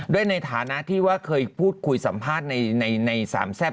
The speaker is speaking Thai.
ในฐานะที่ว่าเคยพูดคุยสัมภาษณ์ในสามแซ่บ